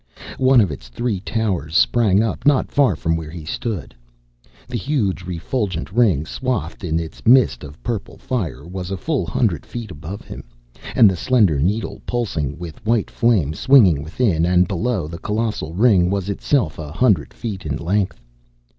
One of its three towers sprang up not far from where he stood. The huge, refulgent ring, swathed in its mist of purple fire, was a full hundred feet above him; and the slender needle, pulsing with white flame, swinging within and below the colossal ring, was itself a hundred feet in length.